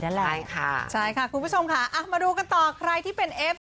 นั่นแหละใช่ค่ะใช่ค่ะคุณผู้ชมค่ะมาดูกันต่อใครที่เป็นเอฟ